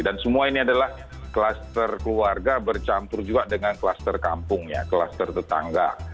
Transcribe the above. dan semua ini adalah kluster keluarga bercampur juga dengan kluster kampungnya kluster tetangga